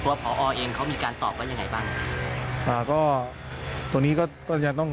ตัวพอร์อเองเขามีการตอบว่าอย่างไรบ้างอ่าก็ตรงนี้ก็ก็ยังต้อง